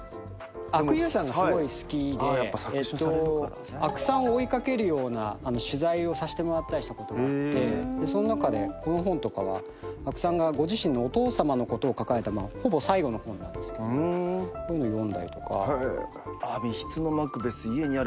えっと阿久さんを追い掛けるような取材をさしてもらったりしたことがあってその中でこの本とかは阿久さんがご自身のお父さまのことを書かれたほぼ最後の本なんですけどこういうの読んだりとか。